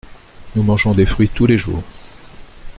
Nous mangeons des fruits tous les jours.